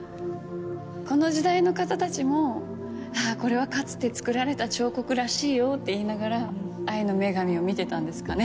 この時代の方たちも「これはかつて作られた彫刻らしいよ」って言いながら愛の女神を見てたんですかね。